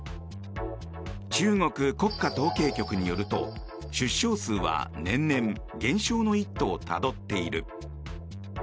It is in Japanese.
中国国家統計局によると出生数は年々減少の一途をたどっている。